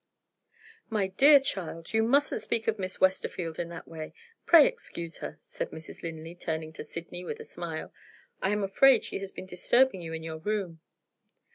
"My dear child, you mustn't speak of Miss Westerfield in that way! Pray excuse her," said Mrs. Linley, turning to Sydney with a smile; "I am afraid she has been disturbing you in your room."